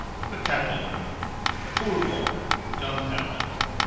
VOCABULARY. pulvo : gunpowder.